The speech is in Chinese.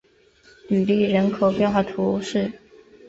吕利人口变化图示